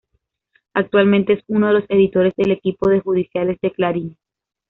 Actualmente, es uno de los editores del equipo de judiciales de Clarín.